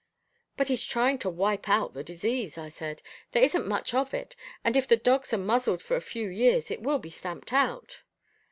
"But he's trying to wipe out the disease," I said. "There isn't much of it, and if the dogs are muzzled for a few years, it will be stamped out."